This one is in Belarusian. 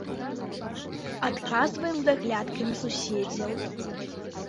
Адказваем з аглядкай на суседзяў.